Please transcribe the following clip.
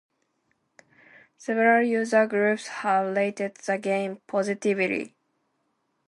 Several user groups have rated the game positively.